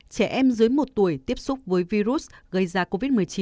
trẻ em dưới một tuổi tiếp xúc với virus gây ra covid một mươi chín